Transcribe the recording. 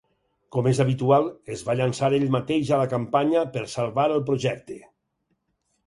Com és habitual, es va llançar ell mateix a la campanya per salvar el seu projecte.